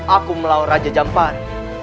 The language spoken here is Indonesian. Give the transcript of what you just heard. aku melawan raja jampan